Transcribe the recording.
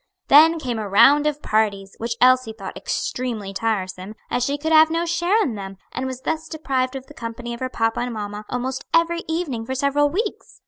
Then came a round of parties, which Elsie thought extremely tiresome, as she could have no share in them, and was thus deprived of the company of her papa and mamma almost every evening for several weeks.